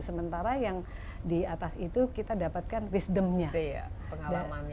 sementara yang di atas itu kita dapatkan wisdom nya betul ya pengalamannya